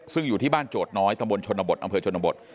ซึ่งอยู่ที่บ้านโจทย์น้อยตำบลชนบทอำเภอชนบท